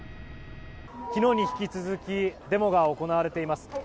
昨日に引き続きデモが行われています。